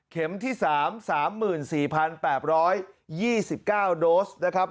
เข็มที่สาม๓๓๘๒๙โดสครับ